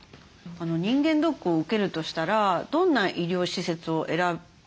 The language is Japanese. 人間ドックを受けるとしたらどんな医療施設を選べばいいのかなって。